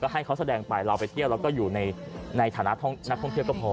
ให้เขาแสดงไปเราไปเที่ยวแล้วก็อยู่ในฐานะนักท่องเที่ยวก็พอ